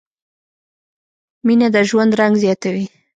مینه د ژوند رنګ زیاتوي.